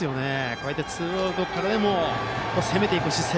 こうやってツーアウトからでも攻めていく姿勢。